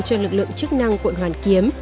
cho lực lượng chức năng quận hoàn kiếm